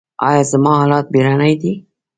ایا زما حالت بیړنی دی؟